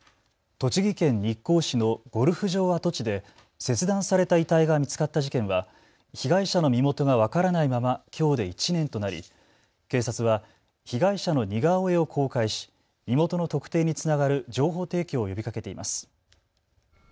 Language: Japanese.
栃木県日光市のゴルフ場跡地で切断された遺体が見つかった事件は被害者の身元が分からないまま、きょうで１年となり警察は被害者の似顔絵を公開し身元の特定につながる情報提供を呼びかけています。